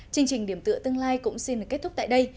chương trình điểm tựa tương lai cũng xin được kết thúc tại đây